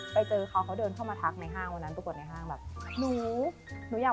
ไปเจอเขาเขาเดินเข้ามาทักในห้างวันนั้น